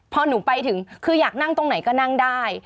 พอหนูไปถึงคืออยากนั่งตรงไหนก็นั่งได้